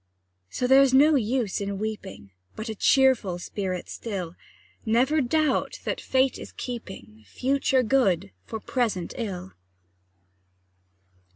So there's no use in weeping, Bear a cheerful spirit still; Never doubt that Fate is keeping Future good for present ill!